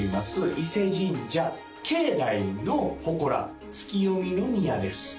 伊勢神社境内の祠月讀宮です